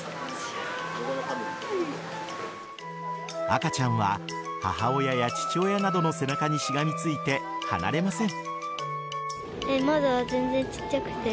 赤ちゃんは母親や父親などの背中にしがみついて離れません。